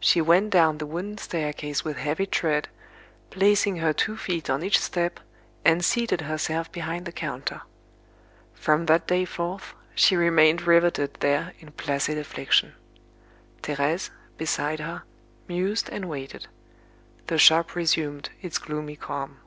She went down the wooden staircase with heavy tread, placing her two feet on each step, and seated herself behind the counter. From that day forth, she remained riveted there in placid affliction. Thérèse, beside her, mused and waited. The shop resumed its gloomy calm.